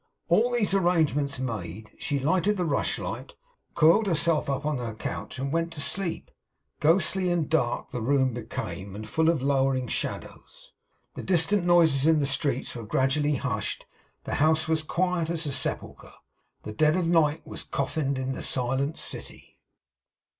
All these arrangements made, she lighted the rush light, coiled herself up on her couch, and went to sleep. Ghostly and dark the room became, and full of lowering shadows. The distant noises in the streets were gradually hushed; the house was quiet as a sepulchre; the dead of night was coffined in the silent city.